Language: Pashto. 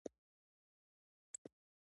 چا هم په خپلو کې ټوکې کولې.